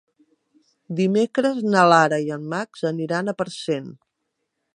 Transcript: Dimecres na Lara i en Max aniran a Parcent.